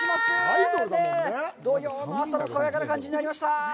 土曜の朝が爽やかな感じになりました。